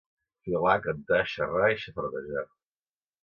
Filar, cantar, xerrar i xafardejar.